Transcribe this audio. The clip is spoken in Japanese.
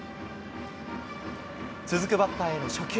続くバッターへの初球。